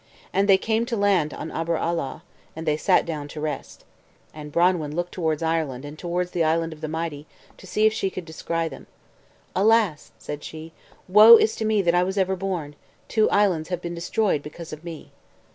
And they came to land on Aber Alaw, and they sat down to rest. And Branwen looked towards Ireland, and towards the Island of the Mighty, to see if she could descry them. "Alas!" said she, "woe is me that I was ever born; two islands have been destroyed because of me."